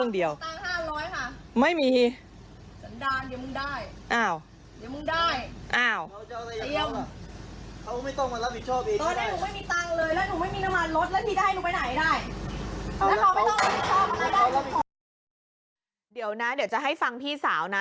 เดี๋ยวนะเดี๋ยวจะให้ฟังพี่สาวนะ